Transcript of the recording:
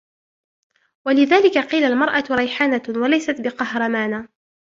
وَلِذَلِكَ ، قِيلَ الْمَرْأَةُ رَيْحَانَةٌ وَلَيْسَتْ بِقَهْرَمَانَةٍ